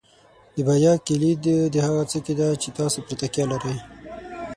د بریا کلید د هغه څه کې دی چې تاسو پرې تکیه لرئ.